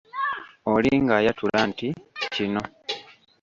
Oli ng'ayatula nti: Kino.